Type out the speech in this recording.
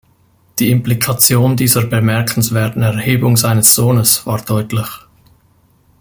Die Implikation dieser bemerkenswerten Erhebung seines Sohnes war deutlich.